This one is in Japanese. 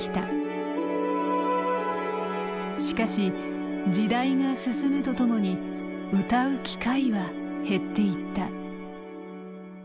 しかし時代が進むとともに歌う機会は減っていった。